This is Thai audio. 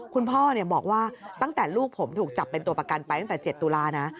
คุณพ่อบอกว่าตั้งแต่ลูกผมถูกจับเป็นตัวประกันไปตั้งแต่๗ตุลานะ